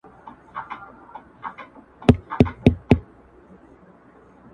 تا سالو زما له منګولو کشولای٫